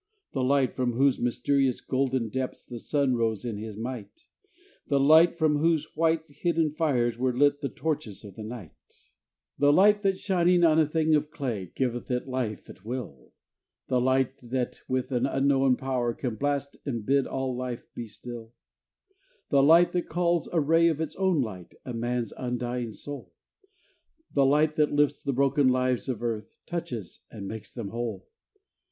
The Light from whose mysterious golden depths The Sun rose in his might The light from whose white, hidden fires were lit The torches of the night; The Light that shining on a thing of clay Giveth it Life and Will: The Light that with an unknown power can blast And bid all life be still; The Light that calls a ray of its own light A man's undying soul The Light that lifts the broken lives of earth, Touches and makes them whole.